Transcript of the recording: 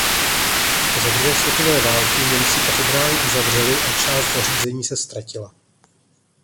Za druhé světové války Němci katedrálu uzavřeli a část zařízení se ztratila.